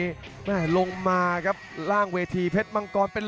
เพชรเข้ามาเพชรดำพยายามจะเจาะล่างเจอเพชรเกาะล่างคืน